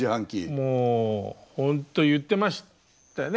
もうほんと言ってましたよね